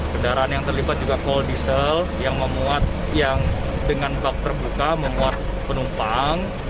kendaraan yang terlipat juga koldiesel yang memuat yang dengan bak terbuka memuat penumpang